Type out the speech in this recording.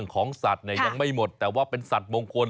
ของสัตว์เนี่ยยังไม่หมดแต่ว่าเป็นสัตว์มงคล